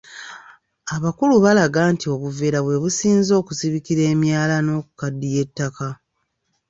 Abakulu balaga nti obuveera bwe businze okuzibikira emyala n'okukaddiya ettaka.